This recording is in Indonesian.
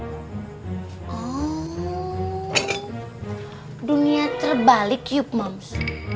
oh dunia terbalik yuk moms